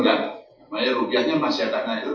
ya rupiahnya masih ada naik turun